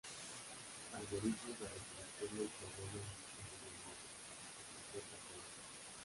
Algoritmos de resolución del problema en distintos lenguajes: Rosetta Code